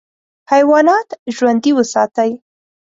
حیوانات ژوندي وساتې.